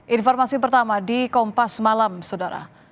informasi pertama di kompas malam saudara